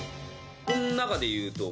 こん中でいうと。